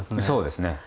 そうですね。